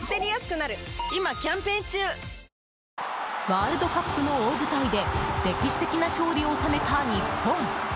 ワールドカップの大舞台で歴史的な勝利を収めた日本。